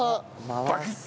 バキッと。